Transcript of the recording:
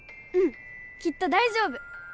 うんきっと大丈夫